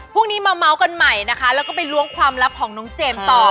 พรุ่งนี้มาเมาส์กันใหม่นะคะแล้วก็ไปล้วงความลับของน้องเจมส์ต่อ